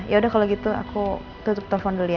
yaudah kalau gitu aku tutup telepon dulu